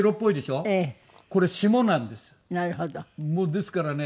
ですからね